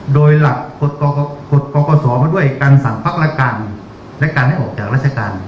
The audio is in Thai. โดยหลักกดพร้อมโรงเขาโดยการสั่งภักรกรและการให้ออกจากราชการ